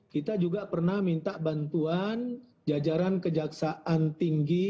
kita juga pernah minta bantuan jajaran kejaksaan tinggi